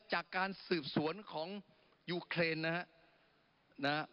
จากการสืบสวนของยูเครนนะฮะ